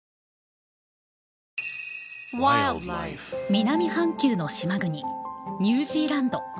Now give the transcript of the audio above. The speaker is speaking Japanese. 南半球の島国ニュージーランド。